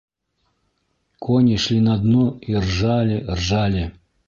— «Кони шли на дно и ржали, ржали...»